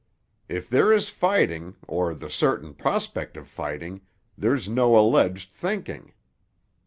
If there is fighting, or the certain prospect of fighting, there's no alleged thinking.